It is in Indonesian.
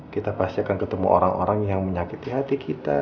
kita pasti akan ketemu orang orang yang menyakiti hati kita